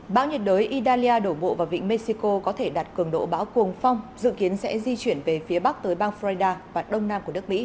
bão nhiệt đới italia đổ bộ vào vịnh mexico có thể đặt cường độ bão cuồng phong dự kiến sẽ di chuyển về phía bắc tới bang florida và đông nam của nước mỹ